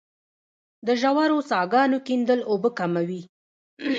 د ژورو څاګانو کیندل اوبه کموي